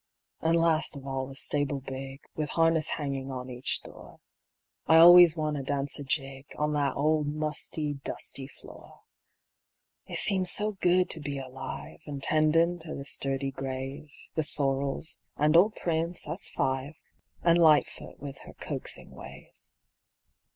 An' last of all the stable big, With harness hanging on each door, I always want to dance a jig On that old musty, dusty floor. It seems so good to be alive, An' tendin' to the sturdy grays, The sorrels, and old Prince, that's five An' Lightfoot with her coaxing ways.